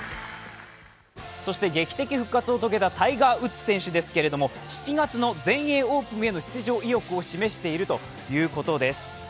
そして劇的復活を遂げたタイガー・ウッズ選手ですけども７月の全英オープンへの出場意欲を示しているということです。